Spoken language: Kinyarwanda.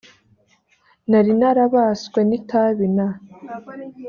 nari narabaswe n itabi na